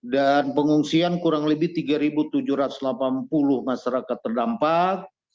dan pengungsian kurang lebih tiga tujuh ratus delapan puluh masyarakat terdampak